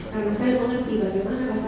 karena saya mengerti bagaimana rasa